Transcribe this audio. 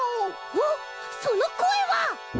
おっそのこえは！？